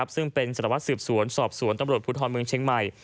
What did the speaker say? ซึ่งเป็นสารวัตรสืบสวนสอบสวนตำรวจภูทรเมืองเชียงใหม่